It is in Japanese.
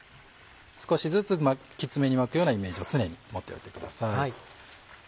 少しずつきつめに巻くようなイメージを常に持っておいてください。